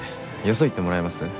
よそ行ってもらえます？